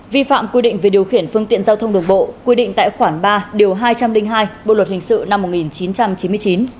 vi phạm quy định về điều khiển phương tiện giao thông đường bộ quy định tại khoản ba điều hai trăm linh hai bộ luật hình sự năm một nghìn chín trăm chín mươi chín